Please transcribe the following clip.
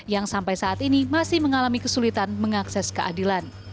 yang sampai saat ini masih mengalami kesulitan mengakses keadilan